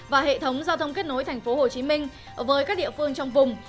và hệ thống giao thông kết nối tp hcm với các địa phương trong vùng